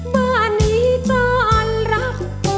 บ้านนี้ตอนรัก